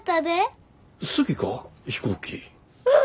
うん！